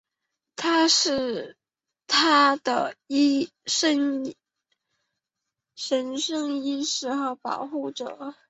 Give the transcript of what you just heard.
他是她的神圣医师和保护者。